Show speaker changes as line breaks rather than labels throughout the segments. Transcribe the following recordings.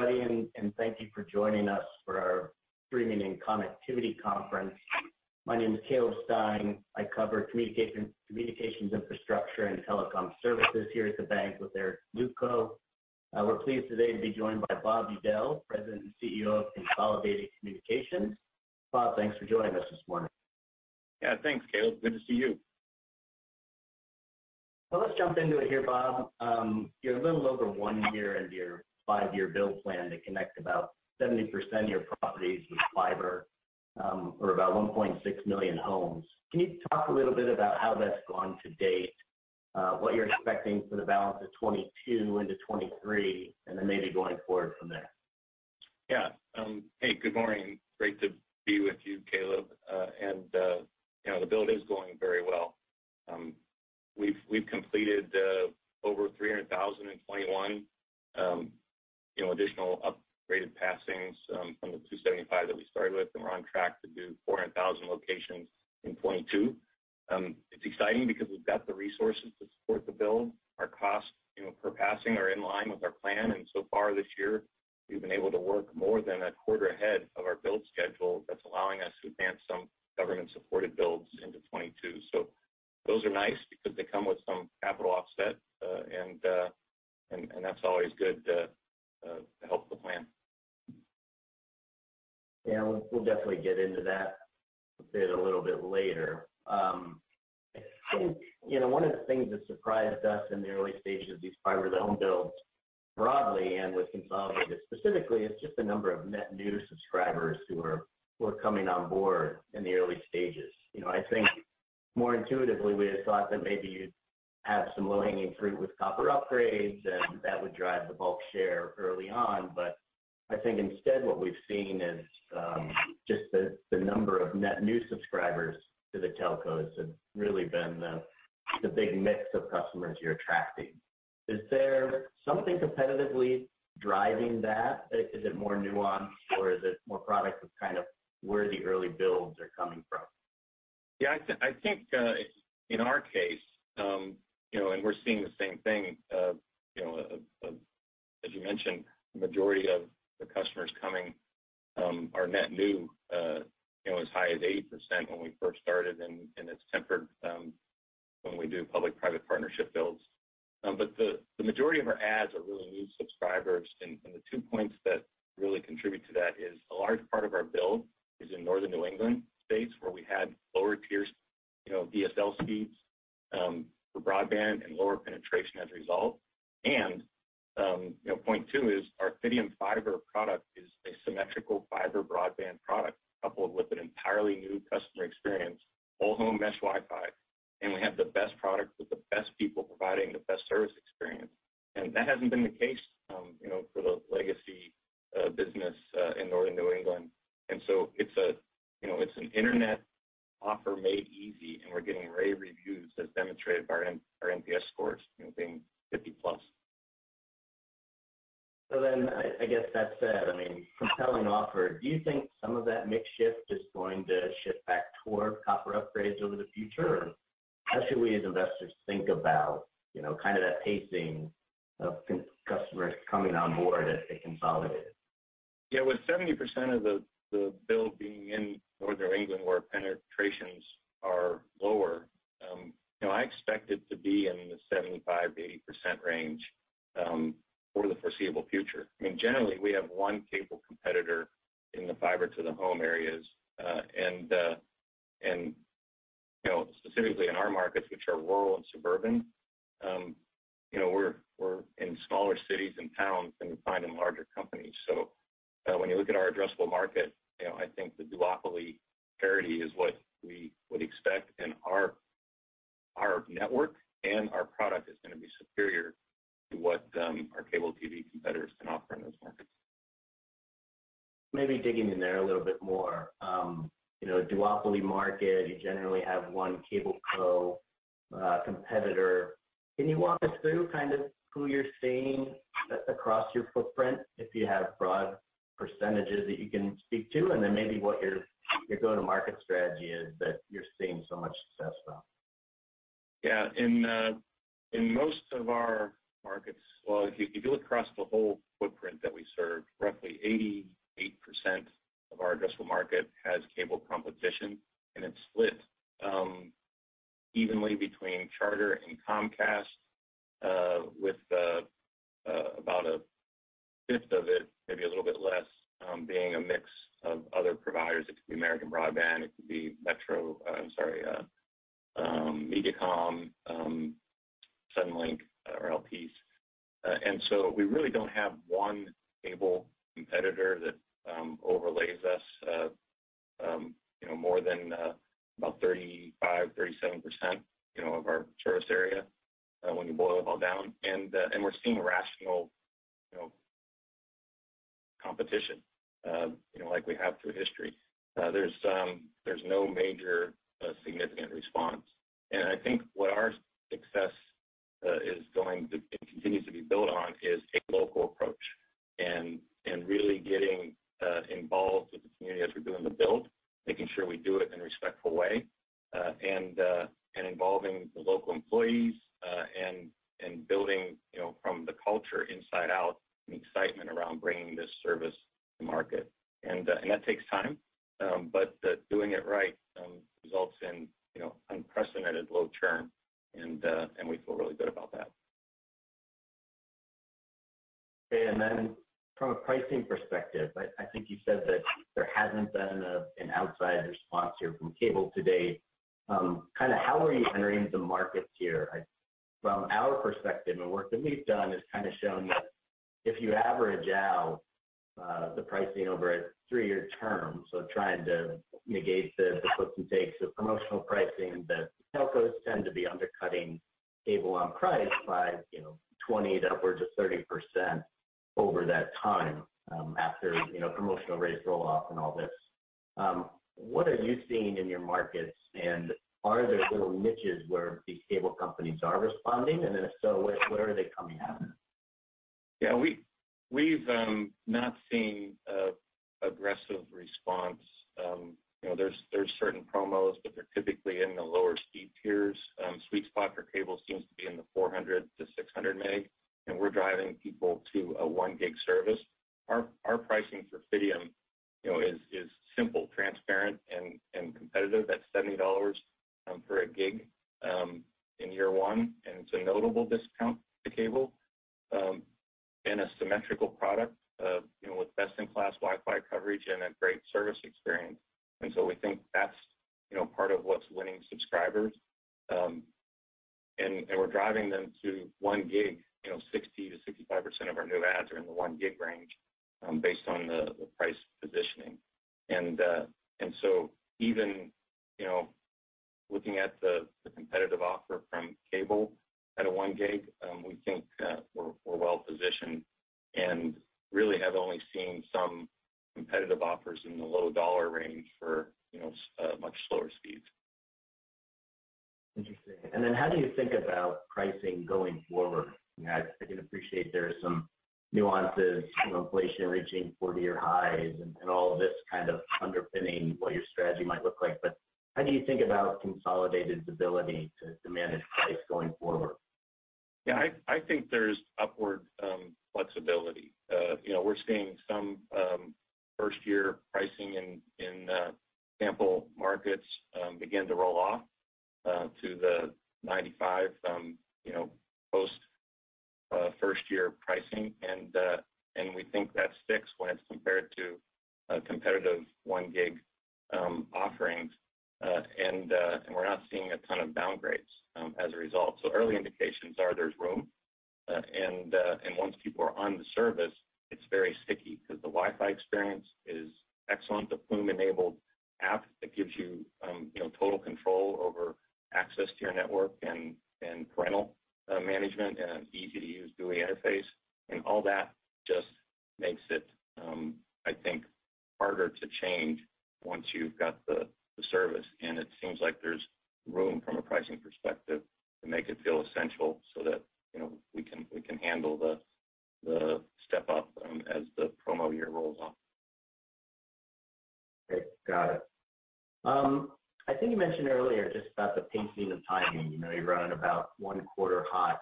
Morning, everybody, and thank you for joining us for our streaming and connectivity conference. My name is Caleb Stein. I cover communication, communications infrastructure and telecom services here at the bank with Eric Luebchow. We're pleased today to be joined by Bob Udell, President and CEO of Consolidated Communications. Bob, thanks for joining us this morning.
Yeah. Thanks, Caleb. Good to see you.
Let's jump into it here, Bob. You're a little over one year into your five-year build plan to connect about 70% of your properties with fiber, or about 1.6 million homes. Can you talk a little bit about how that's gone to date, what you're expecting for the balance of 2022 into 2023, and then maybe going forward from there?
Yeah. Hey, good morning. Great to be with you, Caleb. You know, the build is going very well. We've completed over 300,000 in 2021, you know, additional upgraded passings, from the 275 that we started with, and we're on track to do 400,000 locations in 2022. It's exciting because we've got the resources to support the build. Our costs, you know, per passing are in line with our plan. So far this year, we've been able to work more than a quarter ahead of our build schedule that's allowing us to advance some government-supported builds into 2022. Those are nice because they come with some capital offset, and that's always good to help the plan.
Yeah. We'll definitely get into that a bit a little bit later. I think, you know, one of the things that surprised us in the early stages of these fiber to home builds broadly and with Consolidated specifically, is just the number of net new subscribers who are coming on board in the early stages. You know, I think more intuitively, we had thought that maybe you'd have some low-hanging fruit with copper upgrades, and that would drive the bulk share early on. I think instead what we've seen is just the number of net new subscribers to the telcos have really been the big mix of customers you're attracting. Is there something competitively driving that? Is it more nuanced, or is it more a product of kind of where the early builds are coming from?
Yeah. I think in our case, you know, we're seeing the same thing, you know, of as you mentioned, the majority of the customers coming are net new. You know, as high as 80% when we first started and it's tempered when we do public-private partnership builds. The majority of our adds are really new subscribers. The two points that really contribute to that is a large part of our build is in Northern New England states where we had lower tier, you know, DSL speeds for broadband and lower penetration as a result. You know, point two is our Fidium Fiber product is a symmetrical fiber broadband product coupled with an entirely new customer experience, whole home mesh Wi-Fi. We have the best product with the best people providing the best service experience. That hasn't been the case, you know, for the legacy business in Northern New England. It's an internet offer made easy, and we're getting rave reviews that's demonstrated by our NPS scores, you know, being 50+.
I guess that said, I mean, compelling offer. Do you think some of that mix shift is going to shift back toward copper upgrades over the future? How should we as investors think about, you know, kind of that pacing of customers coming on board at Consolidated?
Yeah. With 70% of the build being in Northern New England where penetrations are lower, you know, I expect it to be in the 75%-80% range for the foreseeable future. I mean, generally, we have one cable competitor in the fiber to the home areas. You know, specifically in our markets, which are rural and suburban, you know, we're in smaller cities and towns than you find in larger companies. When you look at our addressable market, you know, I think the duopoly parity is what we would expect, and our network and our product is gonna be superior to what our cable TV competitors can offer in those markets.
Maybe digging in there a little bit more. You know, duopoly market, you generally have one cable competitor. Can you walk us through kind of who you're seeing across your footprint, if you have broad percentages that you can speak to, and then maybe what your go-to-market strategy is that you're seeing so much success from?
Yeah. In most of our markets. Well, if you look across the whole footprint that we serve, roughly 88% of our addressable market has cable competition, and it's split evenly between Charter and Comcast, with about a fifth of it, maybe a little bit less, being a mix of other providers. It could be American Broadband. It could be Mediacom, Suddenlink, or LPs. We really don't have one cable competitor that overlays us, you know, more than about 35%-37% of our service area, when you boil it all down. We're seeing rational, you know, competition, like we have through history. There's no major significant response. I think what our success is going to and continues to be built on is a local approach and really getting involved with the community as we're doing the build, making sure we do it in a respectful way, and involving the local employees, and building, you know, from the culture inside out and excitement around bringing this service to market. That takes time, but doing it right results in, you know, unprecedented low churn, and we feel really good about that.
Okay. From a pricing perspective, I think you said that there hasn't been an outside response here from cable to date. Kind of how are you entering the markets here? From our perspective and work that we've done has kind of shown that if you average out the pricing over a three-year term, so trying to negate the puts and takes of promotional pricing, the telcos tend to be undercutting cable on price by, you know, 20% to upwards of 30% over that time, after, you know, promotional rates roll off and all this. What are you seeing in your markets and are there little niches where the cable companies are responding? If so, where are they coming at?
Yeah. We've not seen an aggressive response. You know, there's certain promos, but they're typically in the lower speed tiers. Sweet spot for cable seems to be in the 400 meg-600 meg, and we're driving people to a 1 gig service. Our pricing for Fidium, you know, is simple, transparent, and competitive at $70 for a gig in year one, and it's a notable discount to cable. And a symmetrical product, you know, with best-in-class WiFi coverage and a great service experience. We think that's, you know, part of what's winning subscribers. We're driving them to 1 gig. You know, 60%-65% of our new adds are in the 1 gig range based on the price positioning. Even, you know, looking at the competitive offer from cable at 1 gig, we think we're well-positioned and really have only seen some competitive offers in the low-dollar range for, you know, much slower speeds.
Interesting. Then how do you think about pricing going forward? You know, I can appreciate there are some nuances, you know, inflation reaching 40-year highs and all of this kind of underpinning what your strategy might look like. How do you think about Consolidated's ability to manage pricing going forward?
Yeah, I think there's upward flexibility. You know, we're seeing some first year pricing in sample markets begin to roll off to the $95 you know post first year pricing. We think that sticks when it's compared to competitive 1 gig offerings. We're not seeing a ton of downgrades as a result. Early indications are there's room. Once people are on the service, it's very sticky because the WiFi experience is excellent. The Plume-enabled app that gives you total control over access to your network and parental management in an easy-to-use GUI interface. I mean, all that just makes it I think harder to change once you've got the service. It seems like there's room from a pricing perspective to make it feel essential so that, you know, we can handle the step up as the promo year rolls off.
Okay. Got it. I think you mentioned earlier just about the pacing and timing. You know, you're running about one quarter hot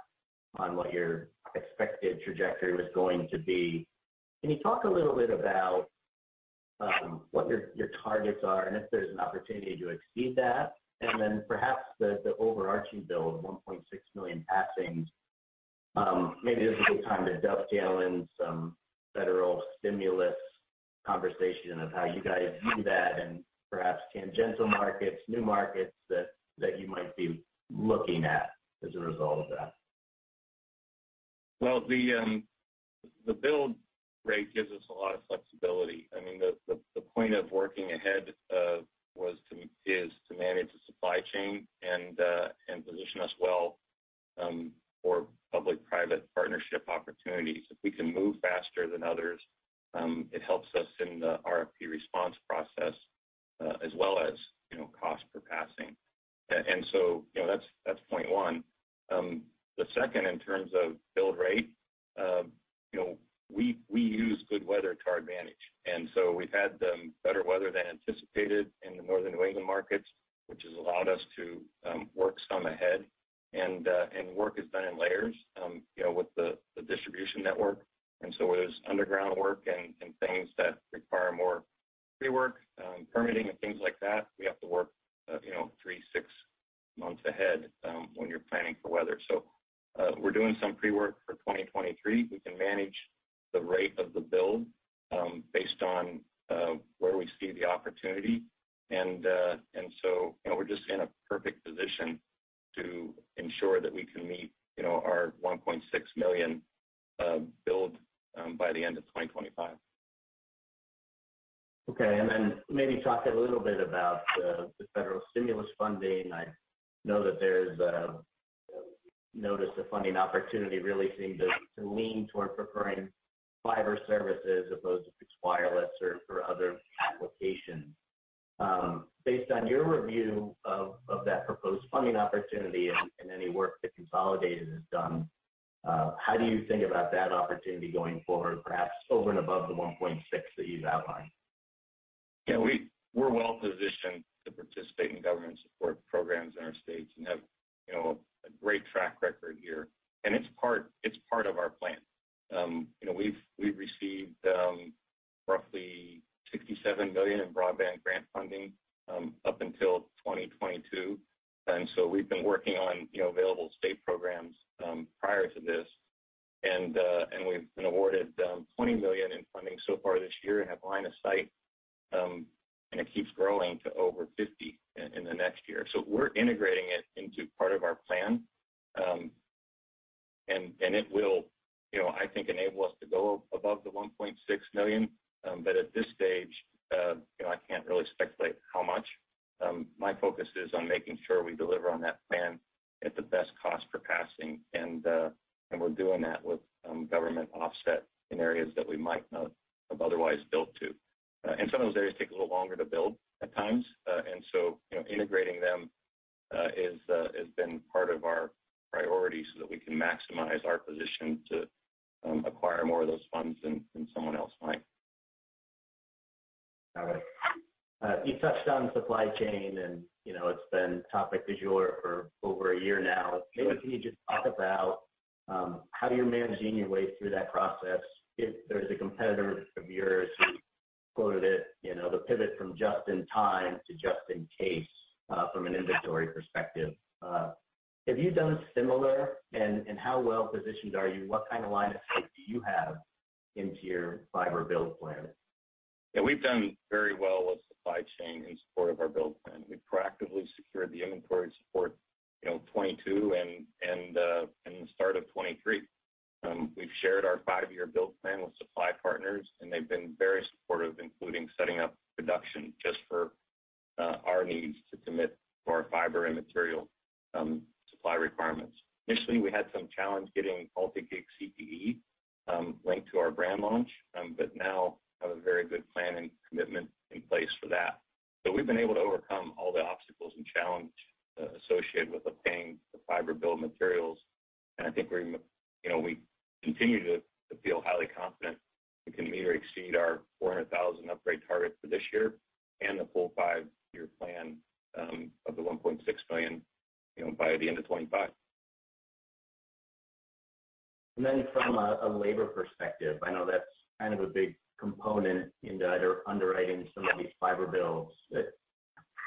on what your expected trajectory was going to be. Can you talk a little bit about what your targets are and if there's an opportunity to exceed that? Perhaps the overarching build, 1.6 million passings, maybe this is a good time to dovetail in some federal stimulus conversation of how you guys view that and perhaps tangential markets, new markets that you might be looking at as a result of that.
Well, the build rate gives us a lot of flexibility. I mean, the point of working ahead is to manage the supply chain and position us well for public-private partnership opportunities. If we can move faster than others, it helps us in the RFP response process, as well as, you know, cost per passing. And so, you know, that's point one. The second in terms of build rate, you know, we use good weather to our advantage. We've had better weather than anticipated in the Northern New England markets, which has allowed us to work some ahead. Work is done in layers, you know, with the distribution network, and so there's underground work and things that require more pre-work, permitting and things like that. We have to work, you know, three to six months ahead, when you're planning for weather. We're doing some pre-work for 2023. We can manage the rate of the build, based on where we see the opportunity. We're just in a perfect position to ensure that we can meet, you know, our 1.6 million build by the end of 2025.
Okay. Maybe talk a little bit about the federal stimulus funding. I know that there's a notice of funding opportunity that really seemed to lean toward preferring fiber services as opposed to fixed wireless or for other applications. Based on your review of that proposed funding opportunity and any work that Consolidated has done, how do you think about that opportunity going forward, perhaps over and above the $1.6 that you've outlined?
Yeah, we're well positioned to participate in government support programs in our states and have, you know, a great track record here. It's part of our plan. You know, we've received roughly $67 million in broadband grant funding up until 2022. We've been working on, you know, available state programs prior to this. We've been awarded $20 million in funding so far this year and have line of sight, and it keeps growing to over $50 million in the next year. We're integrating it into part of our plan, and it will, you know, I think enable us to go above the $1.6 million. But at this stage, you know, I can't really speculate how much. My focus is on making sure we deliver on that plan at the best cost per passing, and we're doing that with government offset in areas that we might not have otherwise built to. Some of those areas take a little longer to build at times. You know, integrating them has been part of our priority so that we can maximize our position to acquire more of those funds than someone else might.
All right. You touched on supply chain, and you know, it's been topic du jour for over a year now.
Sure.
Maybe can you just talk about, how you're managing your way through that process. If there's a competitor of yours who quoted it, you know, the pivot from just in time to just in case, from an inventory perspective. Have you done similar, and how well-positioned are you? What kind of line of sight do you have into your fiber build plan?
Yeah, we've done very well with supply chain in support of our build plan. We've proactively secured the inventory support, you know, 2022 and the start of 2023. We've shared our five-year build plan with supply partners, and they've been very supportive, including setting up production just for our needs to commit to our fiber and material supply requirements. Initially, we had some challenge getting multi-gig CPE linked to our brand launch, but now have a very good plan and commitment in place for that. We've been able to overcome all the obstacles and challenge associated with obtaining the fiber build materials. I think you know, we continue to feel highly confident we can meet or exceed our 400,000 upgrade target for this year and the full five-year plan of the $1.6 billion, you know, by the end of 2025.
From a labor perspective, I know that's kind of a big component into either underwriting some of these fiber builds.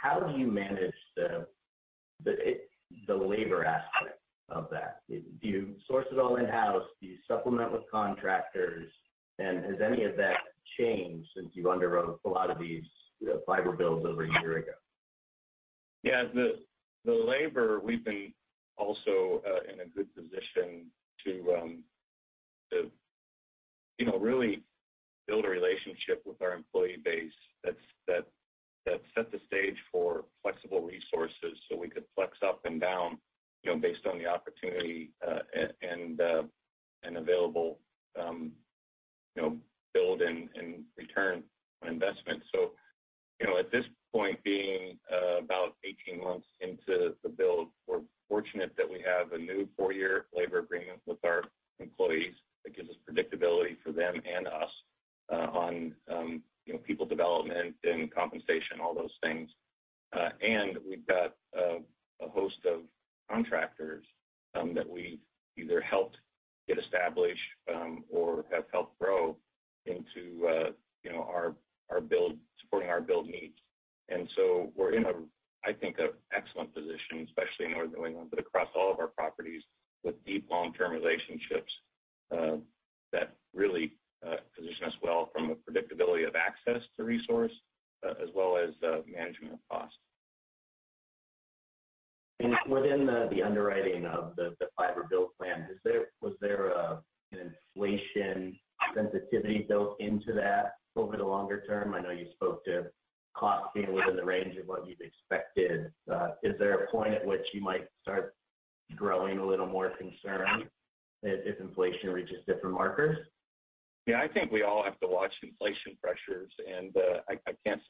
How do you manage the labor aspect of that? Do you source it all in-house? Do you supplement with contractors? Has any of that changed since you underwrote a lot of these, you know, fiber builds over a year ago?
Yeah. The labor, we've been also in a good position to you know really build a relationship with our employee base that's set the stage for flexible resources so we could flex up and down, you know, based on the opportunity, and available, you know, build and return on investment. You know, at this point being about 18 months into the build, we're fortunate that we have a new four year labor agreement with our employees that gives us predictability for them and us on you know people development and compensation, all those things. We've got a host of contractors that we've either helped get established or have helped grow into you know our build, supporting our build needs. We're in, I think, an excellent position, especially in otherworldly one, but across all of our properties with deep long-term relationships that really position us well from a predictability of access to resource as well as management of cost.
Within the underwriting of the fiber build plan, is there an inflation sensitivity built into that over the longer term? I know you spoke to costs being within the range of what you'd expected. Is there a point at which you might start growing a little more concerned if inflation reaches different markers?
Yeah. I think we all have to watch inflation pressures. I can't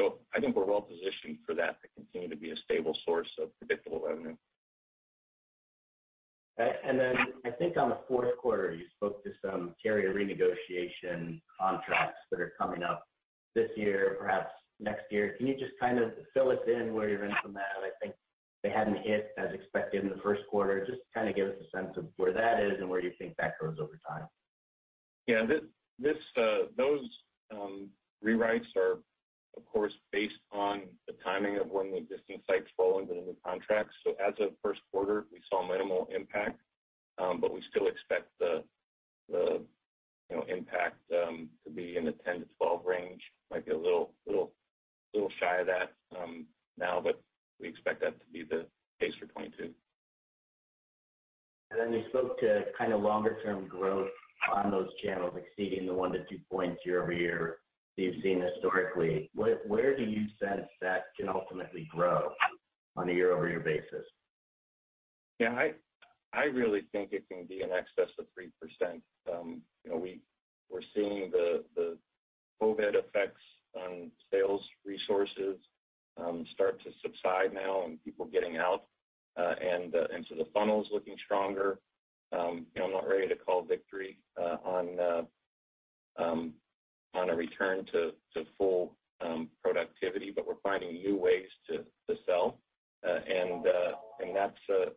I think we're well positioned for that to continue to be a stable source of predictable revenue.
I think on the fourth quarter, you spoke to some carrier renegotiation contracts that are coming up this year, perhaps next year. Can you just kind of fill us in where you're in on that? I think they hadn't hit as expected in the first quarter. Just to kind of give us a sense of where that is and where you think that goes over time.
Yeah. This, those rewrites are, of course, based on the timing of when the existing sites fall under the new contract. As of first quarter, we saw minimal impact, but we still expect the impact, you know, to be in the 10-12 range. Might be a little shy of that now, but we expect that to be the case for 2022.
You spoke to kind of longer-term growth on those channels exceeding the one to two points year-over-year that you've seen historically. Where do you sense that can ultimately grow on a year-over-year basis?
Yeah. I really think it can be in excess of 3%. You know, we're seeing the COVID effects on sales resources start to subside now and people getting out and so the funnel's looking stronger. You know, I'm not ready to call victory on a return to full productivity, but we're finding new ways to sell.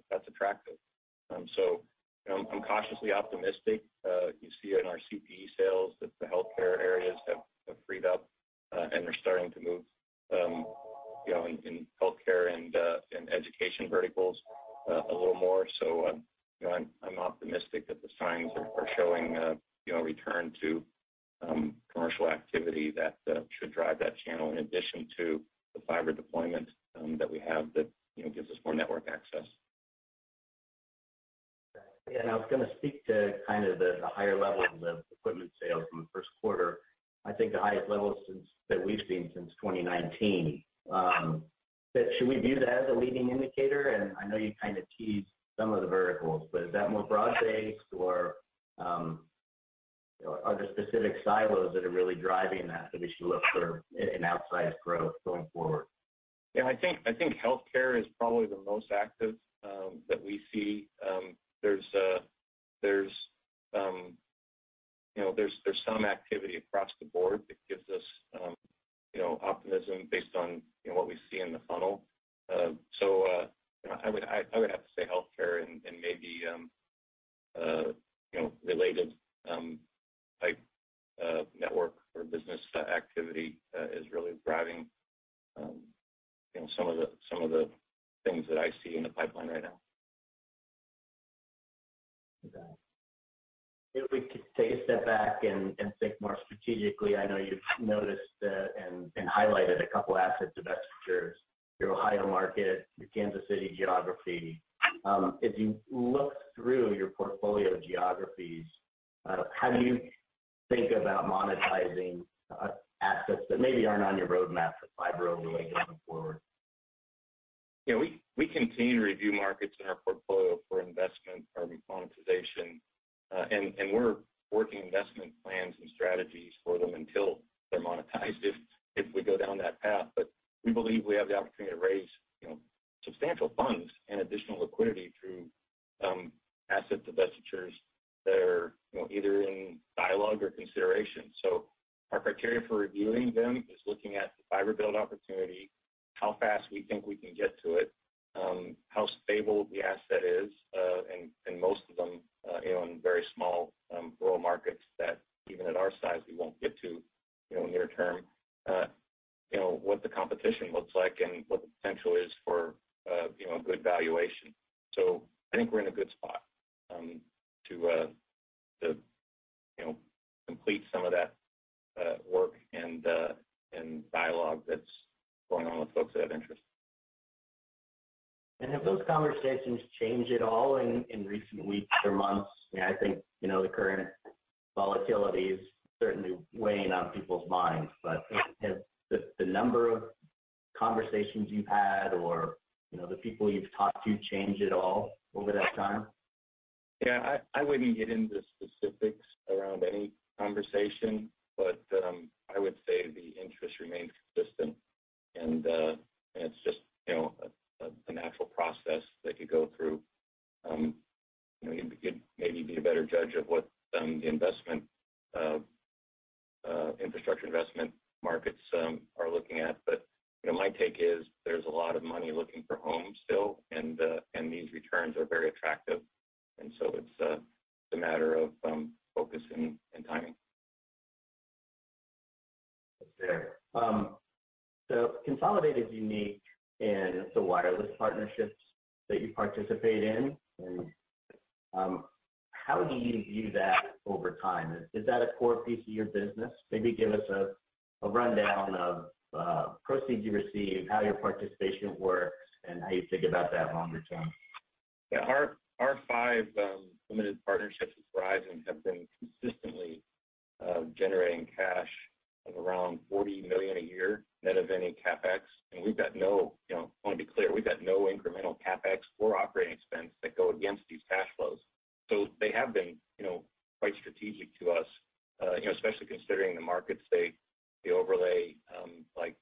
That's attractive. You know, I'm cautiously optimistic. You see in our CPE sales that the healthcare areas have freed up and we're starting to move, you know, in healthcare and education verticals a little more. You know, I'm optimistic that the signs are showing you know return to commercial activity that should drive that channel in addition to the fiber deployment that we have that you know gives us more network access.
Yeah. I was gonna speak to kind of the higher level of the equipment sales in the first quarter. I think the highest level since that we've seen since 2019. But should we view that as a leading indicator? I know you kind of teased some of the verticals, but is that more broad-based or are there specific silos that are really driving that that we should look for an outsized growth going forward?
Yeah. I think healthcare is probably the most active that we see. There's some activity across the board that gives us you know optimism based on you know what we see in the funnel. You know I would have to say healthcare and maybe you know related like network or business activity is really driving you know some of the things that I see in the pipeline right now.
Okay. If we could take a step back and think more strategically, I know you've noticed and highlighted a couple assets divestitures, your Ohio market, your Kansas City geography. As you look through your portfolio geographies, how do you think about monetizing assets that maybe aren't on your roadmap for fiber overlay going forward?
You know, we continue to review markets in our portfolio for investment or monetization. We're working investment plans and strategies for them until they're monetized if we go down that path. We believe we have the opportunity to raise, you know, substantial funds and additional liquidity through asset divestitures that are, you know, either in dialogue or consideration. Our criteria for reviewing them is looking at the fiber build opportunity. How fast we think we can get to it, how stable the asset is, and most of them, you know, in very small rural markets that even at our size, we won't get to, you know, near term. You know, what the competition looks like and what the potential is for, you know, a good valuation. I think we're in a good spot to, you know, complete some of that work and dialogue that's going on with folks that have interest.
Have those conversations changed at all in recent weeks or months? I think, you know, the current volatility is certainly weighing on people's minds, but has the number of conversations you've had or, you know, the people you've talked to change at all over that time?
Yeah, I wouldn't get into specifics around any conversation, but I would say the interest remains consistent and it's just, you know, a natural process that you go through. You know, you could maybe be a better judge of what the investment infrastructure investment markets are looking at. You know, my take is there's a lot of money looking for homes still and these returns are very attractive. It's a matter of focus and timing.
Sure. Consolidated is unique in the wireless partnerships that you participate in. How do you view that over time? Is that a core piece of your business? Maybe give us a rundown of proceeds you receive, how your participation works, and how you think about that longer term.
Yeah. Our five limited partnerships with Verizon have been consistently generating cash of around $40 million a year net of any CapEx. We've got no, you know, I wanna be clear, we've got no incremental CapEx or operating expense that go against these cash flows. They have been, you know, quite strategic to us, you know, especially considering the market state, the overlay, like,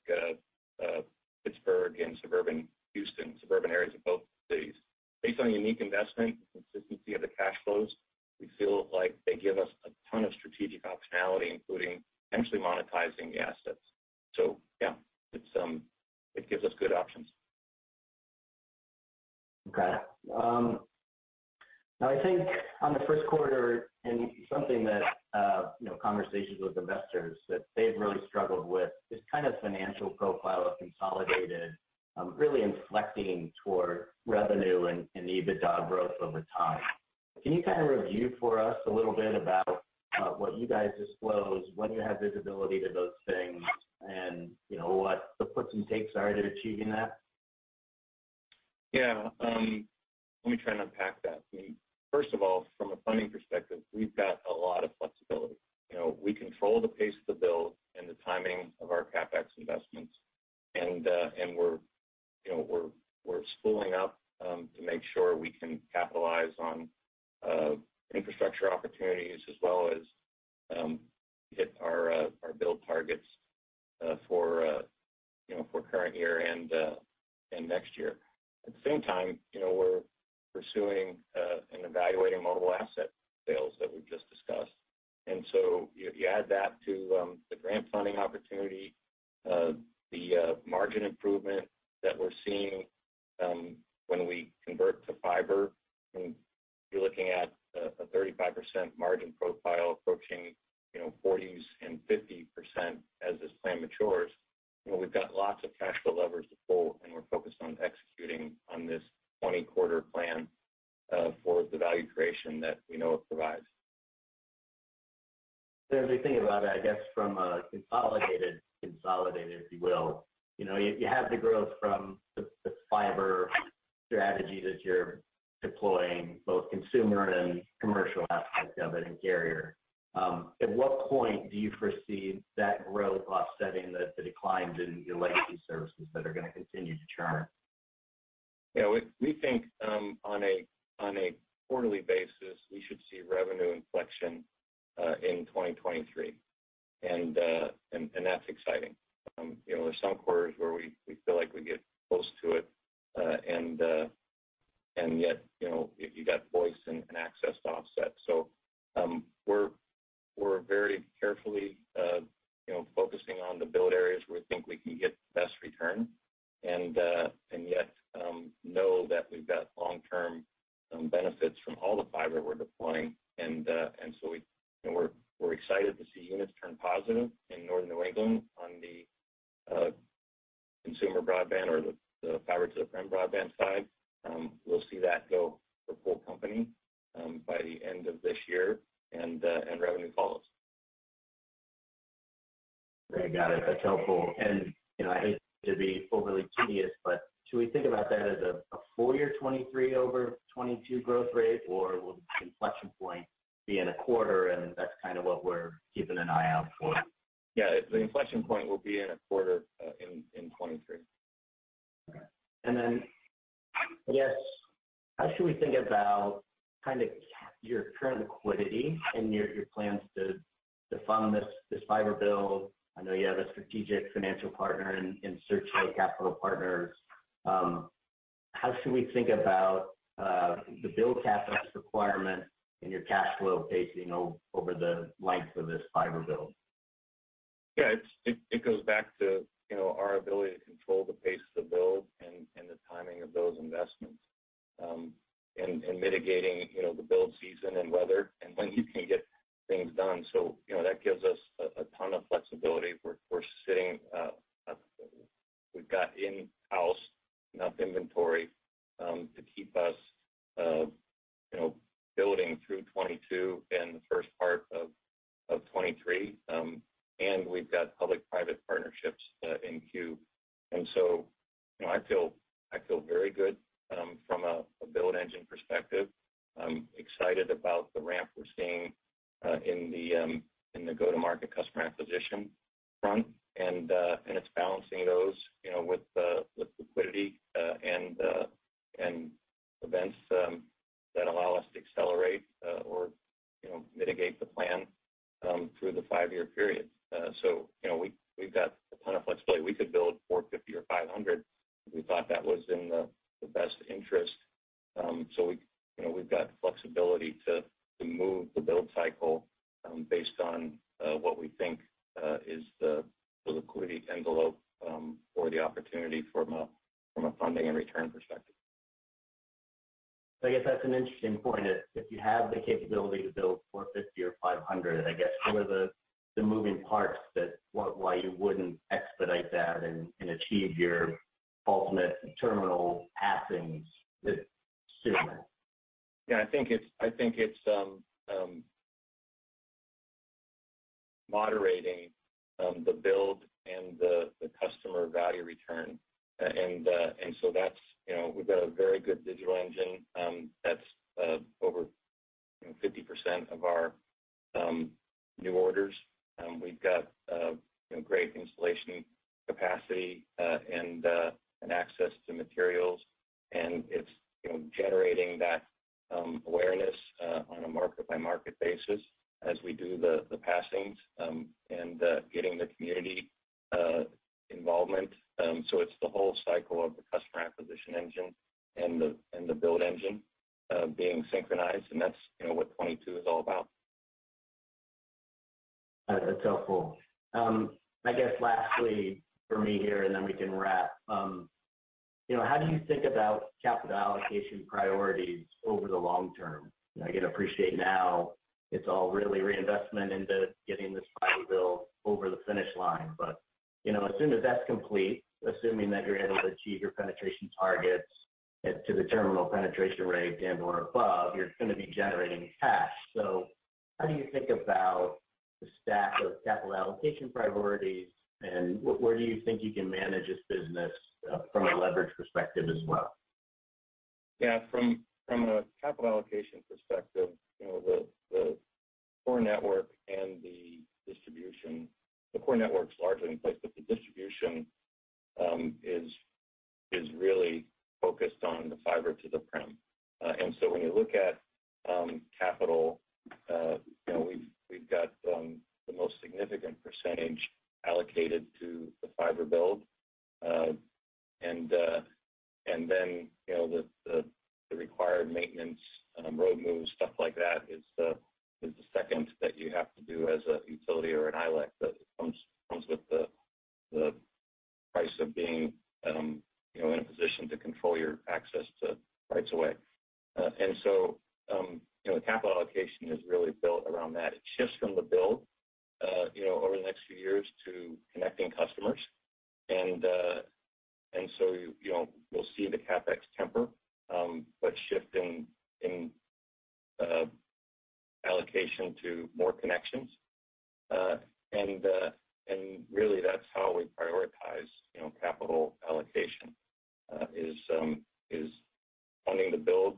the margin improvement that we're seeing when we convert to fiber. I mean, you're looking at a 35% margin profile approaching 40s and 50% as this plan matures. You know, we've got lots of financial levers to pull, and we're focused on executing on this 20-quarter plan, for the value creation that we know it provides.
As we think about it, I guess from a Consolidated, if you will, you know, you have the growth from the fiber strategy that you're deploying, both consumer and commercial aspects of it and carrier. At what point do you foresee that growth offsetting the declines in your legacy services that are gonna continue to churn?
Yeah. We think on a quarterly basis we should see revenue inflection in 2023. That's exciting. You know, there's some quarters where we feel like we get close to it. Yet, you know, you got voice and access to offset. We're very carefully, you know, focusing on the build areas where we think we can get the best return and yet know that we've got long-term benefits from all the fiber we're deploying. You know, we're excited to see units turn positive in Northern New England on the consumer broadband or the fiber to the premise broadband side. We'll see that go the full company by the end of this year, and revenue follows.
Okay. Got it. That's helpful. You know, I hate to be overly tedious, but should we think about that as a full year 2023 over 2022 growth rate, or will the inflection point be in a quarter and that's kind of what we're keeping an eye out for?
Yeah. The inflection point will be in a quarter in 2023.
Okay. I guess how should we think about your current liquidity and your plans to fund this fiber build? I know you have a strategic financial partner in Searchlight Capital Partners. How should we think about the build CapEx requirement and your cash flow pacing over the length of this fiber build?
Yeah, it goes back to, you know, our ability to control the pace of the build and the timing of those investments. Mitigating, you know, the build season and weather and when you can get things done. You know, that gives us a ton of flexibility. We've got in-house enough inventory to keep us, you know, building through 2022 and the first you know, we've got a very good digital engine that's over 50% of our new orders. We've got you know, great installation capacity and access to materials. It's you know, generating that awareness on a market by market basis as we do the passings and getting the community involvement. It's the whole cycle of the customer acquisition engine and the build engine being synchronized, and that's you know, what 2022 is all about.
That's helpful. I guess lastly for me here, and then we can wrap. You know, how do you think about capital allocation priorities over the long term? I can appreciate now it's all really reinvestment into getting this fiber build over the finish line. You know, as soon as that's complete, assuming that you're able to achieve your penetration targets to the terminal penetration rate and/or above, you're gonna be generating cash. How do you think about the stack of capital allocation priorities, and where do you think you can manage this business from a leverage perspective as well?
Yeah. From a capital allocation perspective, you know, the core network and the distribution, the core network's largely in place, but the distribution is really focused on the fiber to the premise. When you look at capital, you know, we've got the most significant percentage allocated to the fiber build. You know, the required maintenance, road moves, stuff like that is the second that you have to do as a utility or an ILEC that comes with the price of being, you know, in a position to control your access to rights-of-way. Capital allocation is really built around that. It shifts from the build, you know, over the next few years to connecting customers. You know, we'll see the CapEx taper, but shift in allocation to more connections. Really that's how we prioritize, you know, capital allocation, is funding the build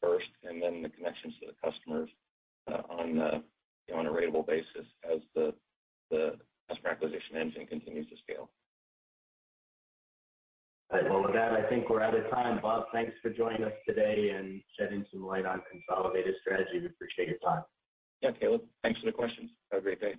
first and then the connections to the customers, on a ratable basis as the customer acquisition engine continues to scale.
All right. Well, with that, I think we're out of time. Bob, thanks for joining us today and shedding some light on Consolidated's strategy. We appreciate your time.
Yeah, Caleb. Thanks for the questions. Have a great day.